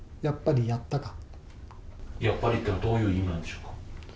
やっぱりっていうのは、どういう意味なんでしょうか。